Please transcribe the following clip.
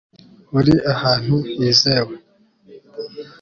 uri ahantu hizewe